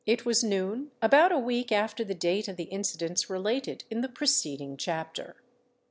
It was noon—about a week after the date of the incidents related in the preceding chapter.